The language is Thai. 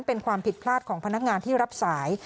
เป็นความผิดพลาดของพนักงานที่รับสาย